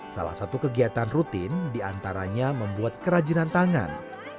salah satu kegiatan rutin diantaranya membuat kerajinan tangan